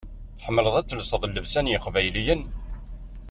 Tḥemmleḍ ad telseḍ llebsa n yeqbayliyen?